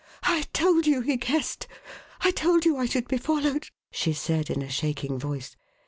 "I told you he guessed; I told you I should be followed!" she said in a shaking voice.